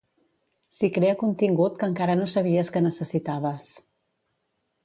S'hi crea contingut que encara no sabies que necessitaves.